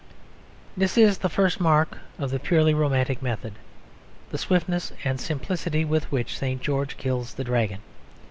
This is the first mark of the purely romantic method: the swiftness and simplicity with which St. George kills the dragon.